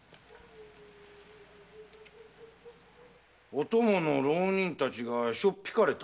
お供の浪人たちがしょっ引かれた？